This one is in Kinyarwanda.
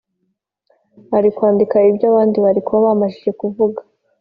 Arikwandika ibyo abandi barikuba bamajije kuvuga